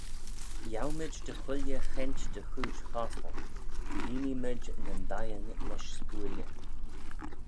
Yiow mayd dy chooilley cheint dy chooid chostal, lhieenee mayd nyn dhieyn lesh spooilley.